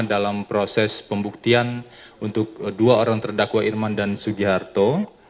dalam proses pembuktian untuk dua orang terdakwa irman dan sugiharto